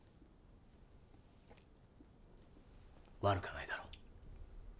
悪くはないだろ？